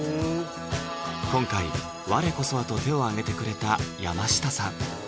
今回「我こそは」と手を挙げてくれた山下さん